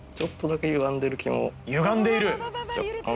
ゆがんでいる？